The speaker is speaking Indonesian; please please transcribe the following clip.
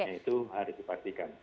itu harus dipastikan